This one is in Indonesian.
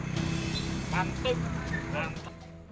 pakai masker gak ya